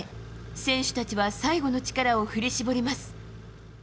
選手たちは最後の力を振り絞ります。